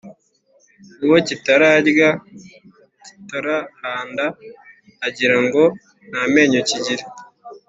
Uwo kitararya (kitarahanda) agira ngo nta menyo kigira.